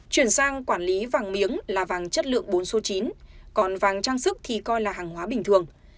chuyển sang quản lý vàng miếng là vàng chất lượng bốn số chín còn vàng trang sức thì coi là hàng hóa bình thường